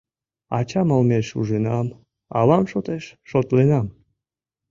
Ачам олмеш ужынам, авам шотеш шотленам.